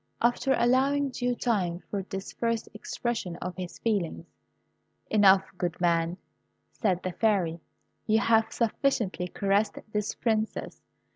After allowing due time for this first expression of his feelings, "Enough, good man," said the Fairy. "You have sufficiently caressed this Princess.